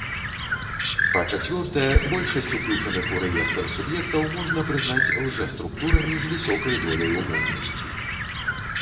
Па-чацвёртае, большасць уключаных у рэестр суб'ектаў можна прызнаць лжэструктурамі з высокай доляй умоўнасці.